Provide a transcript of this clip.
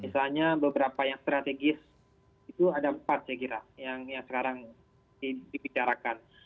misalnya beberapa yang strategis itu ada empat saya kira yang sekarang dibicarakan